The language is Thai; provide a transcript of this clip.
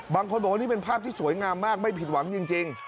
บางคนบอกว่านี่เป็นภาพที่สวยงามมากไม่ผิดหวังจริง